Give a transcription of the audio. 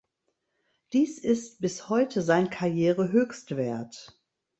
Dies ist bis heute sein Karrierehöchstwert.